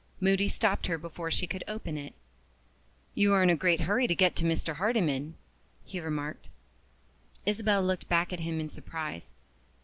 Moody stopped her before she could open it. "You are in a great hurry to get to Mr. Hardyman," he remarked. Isabel looked back at him in surprise.